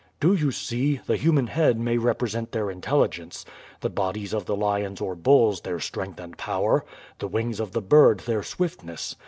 Do you see, the human head may represent their intelligence, the bodies of the lions or bulls their strength and power, the wings of the bird their swiftness.